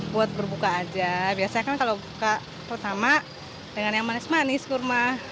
buat berbuka aja biasanya kan kalau buka pertama dengan yang manis manis kurma